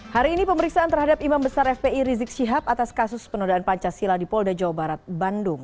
hari ini pemeriksaan terhadap imam besar fpi rizik syihab atas kasus penodaan pancasila di polda jawa barat bandung